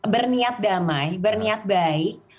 berniat damai berniat baik